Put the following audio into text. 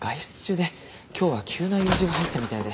今日は急な用事が入ったみたいで。